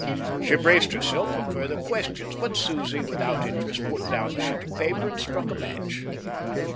She braced herself for further questions, but Susie, without interest, put down the sheet of paper and struck a match.